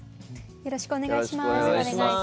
よろしくお願いします。